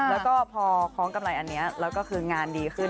แล้วก็พอคล้องกำไรอันนี้แล้วก็คืองานดีขึ้น